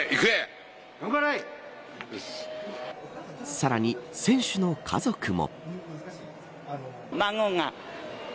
さらに選手の家族も。